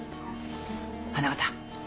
花形。